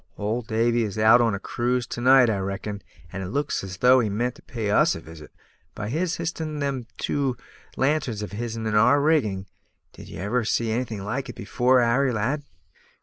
"Old Davy is out on a cruise to night, I reckon; and it looks as though he meant to pay us a visit, by his h'isting them two lanterns of his'n in our rigging. Did ye ever see anything like it afore, Harry, lad?"